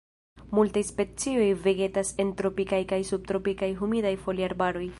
Multaj specioj vegetas en tropikaj kaj subtropikaj humidaj foliarbaroj.